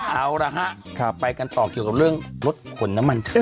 เอาละฮะไปกันต่อเกี่ยวกับเรื่องรถขนน้ำมันเธอ